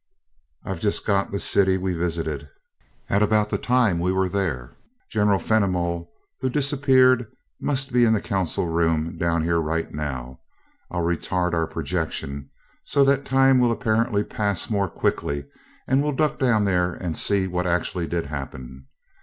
I've just got the city we visited, at about the time we were there. General Fenimol, who disappeared, must be in the council room down here right now. I'll retard our projection, so that time will apparently pass more quickly, and we'll duck down there and see what actually did happen.